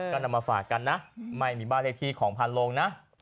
ก็นำมาฝากกันนะไม่มีบ้านเลขที่ของพานลงนะ